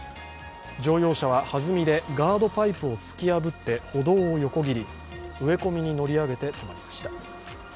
乗用車ははずみでガードパイプを突き破って歩道を横切り、植え込みに乗り上げて止まりました。